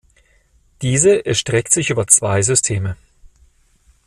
Diese erstreckt sich über zwei Systeme.